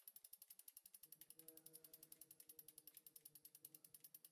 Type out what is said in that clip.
যদি সে আগেও ম্যাসেজ করে, তবে ব্যস্ততার অভিনয় করা।